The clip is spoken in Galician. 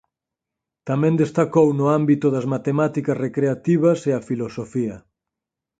Tamén destacou no ámbito das matemáticas recreativas e a filosofía.